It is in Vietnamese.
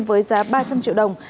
với giá ba trăm linh triệu đồng